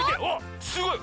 すごい！